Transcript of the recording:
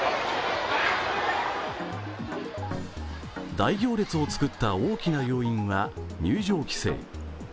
大行列を作った大きな要因は、入場規制。